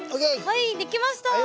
はい出来ました。